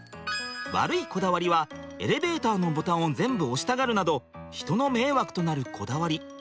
悪いこだわりはエレベーターのボタンを全部押したがるなど人の迷惑となるこだわり。